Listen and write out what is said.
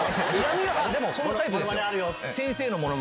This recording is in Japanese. でもそのタイプですよ。